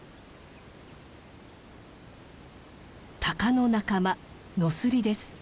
タカの仲間ノスリです。